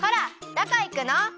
どこいくの！？